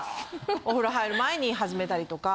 お風呂入る前に始めたりとか。